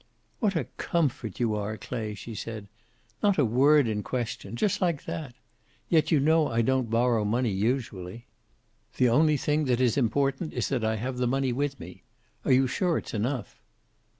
"What a comfort you are, Clay," she said. "Not a word in question. Just like that! Yet you know I don't borrow money, usually." "The only thing that is important is that I have the money with me. Are you sure it's enough?"